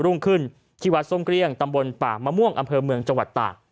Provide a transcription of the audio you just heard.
รุ่งขึ้นที่วัดส้มเกลี้ยงตำบลป่ามะม่วงอำเภอเมืองจังหวัดตาก